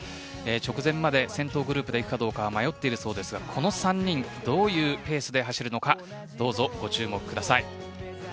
直前まで先頭グループで行くかどうか迷っていたそうですがこの３人どういうペースで走るのかご注目ください。